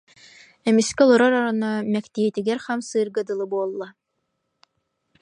Эмискэ олорор ороно мэктиэтигэр хамсыырга дылы буолла